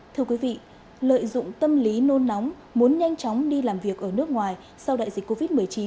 thưa quý vị lợi dụng tâm lý nôn nóng muốn nhanh chóng đi làm việc ở nước ngoài sau đại dịch covid một mươi chín